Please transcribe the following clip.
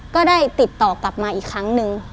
ก็ได้ติดต่อกลับมาอีกครั้งนึง